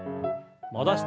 戻して。